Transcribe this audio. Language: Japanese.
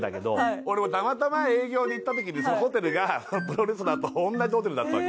俺もたまたま営業に行った時にホテルがプロレスラーと同じホテルだったわけ。